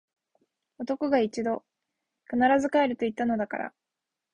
男が一度・・・！！！必ず帰ると言ったのだから！！！